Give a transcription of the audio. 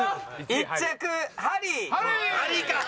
１着ハリー！